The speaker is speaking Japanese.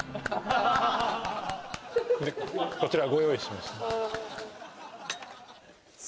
こちらご用意しましたわ！